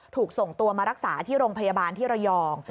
ถูกส่งตัวมารักษาที่โรงพยาบาลที่ระยอง